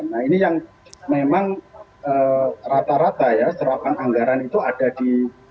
nah ini yang memang rata rata ya serapan anggaran itu ada di